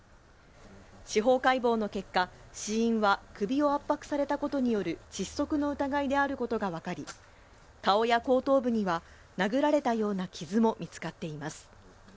司法解剖の結果死因は首を圧迫されたことによる窒息の疑いであることが分かり顔や後頭部には殴られたような傷も見つかっています